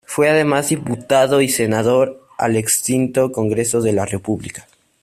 Fue además diputado y senador al extinto Congreso de la República.